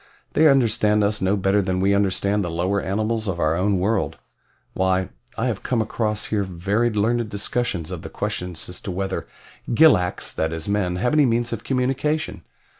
"They understand us no better than we understand the lower animals of our own world. Why, I have come across here very learned discussions of the question as to whether gilaks, that is men, have any means of communication.